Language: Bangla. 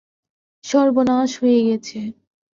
সর্বনাশ হয়ে গেছে।